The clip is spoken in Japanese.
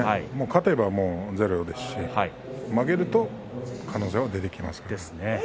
勝てば０ですし負けると可能性が出てきます。